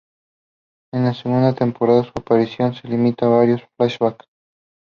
En la segunda temporada, su aparición se limita a varios flashbacks.